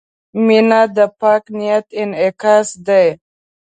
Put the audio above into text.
• مینه د پاک نیت انعکاس دی.